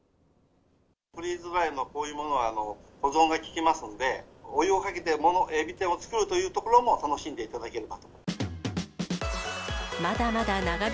フリーズドライのこういうものは保存が利きますので、お湯をかけてエビ天を作るというところも楽しんでいただければ。